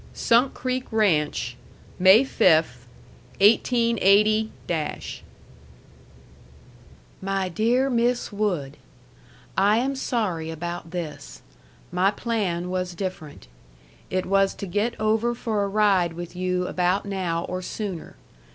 SUNK CREEK RANCH, May 5, 188 My Dear Miss Wood: I am sorry about this. My plan was different. It was to get over for a ride with you about now or sooner.